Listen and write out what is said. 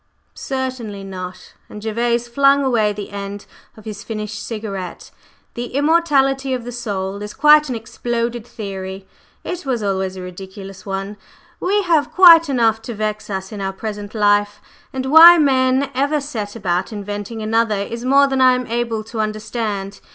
"Certainly not!" and Gervase flung away the end of his finished cigarette. "The immortality of the soul is quite an exploded theory. It was always a ridiculous one. We have quite enough to vex us in our present life, and why men ever set about inventing another is more than I am able to understand.